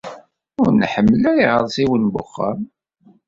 Ur nḥemmel ara iɣersiwen n wexxam.